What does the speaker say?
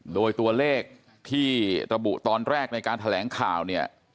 โดยตัวเลขที่ระบุตอนแรกในการแถลงข่าวเนี่ย